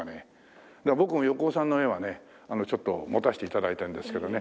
僕も横尾さんの絵はねちょっと持たせて頂いてるんですけどね。